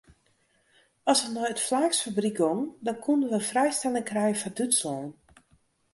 As we nei it flaaksfabryk gongen dan koenen we frijstelling krije foar Dútslân.